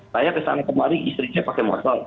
saya kesana kemari istrinya pakai masker